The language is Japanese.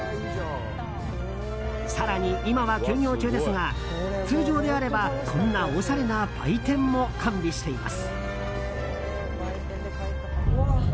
更に、今は休業中ですが通常であればこんなおしゃれな売店も完備しています。